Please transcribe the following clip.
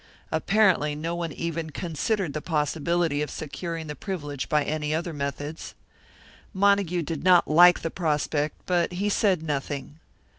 Apparently no one even considered the possibility of securing the privilege by any other methods. Montague did not like the prospect, but he said nothing.